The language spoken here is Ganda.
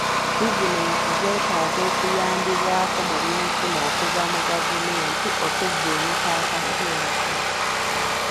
Bizinensi zeetaaga okuyambibwako mu byenfuna okuva mu gavumenti okuvvuunuka akaseera kano.